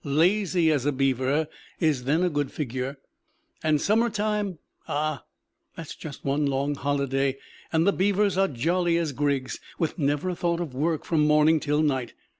"Lazy as a beaver" is then a good figure. And summer time ah! that's just one long holiday, and the beavers are jolly as grigs, with never a thought of work from morning till night.